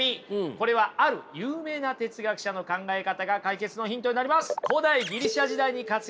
これはある有名な哲学者の考え方が解決のヒントになります。